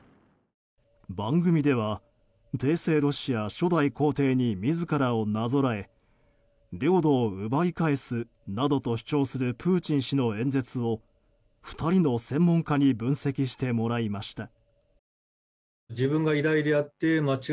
番組では、帝政ロシア初代皇帝に自らをなぞらえ領土を奪い返すなどと主張するプーチン氏の演説を２人の専門家に分析してもらいました。